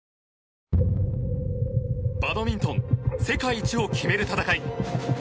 バドミントン世界一を決める戦い